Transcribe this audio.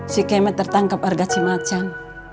si kema tertangkap warga cimacan